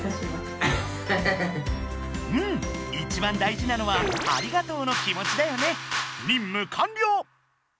いちばんだいじなのは「ありがとう」の気持ちだよね。